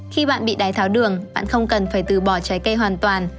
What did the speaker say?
khi bạn bị đái tháo đường bạn không cần phải từ bỏ trái cây hoàn toàn